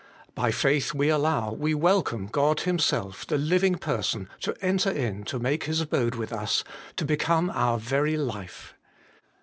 By faith we allow, we welcome God Himself, the Living Person, to enter in to make HOLINESS AND FAITH. 159 His abode with us, to become our very life.